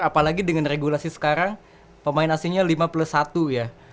apalagi dengan regulasi sekarang pemain asingnya lima plus satu ya